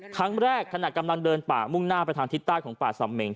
ครั้งแรกขณะกำลังเดินป่ามุ่งหน้าไปทางทิศต้ายของป่าสมิง